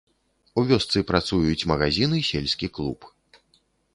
У вёсцы працуюць магазін і сельскі клуб.